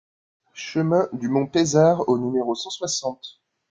Chemin du Mont Pezard au numéro cent soixante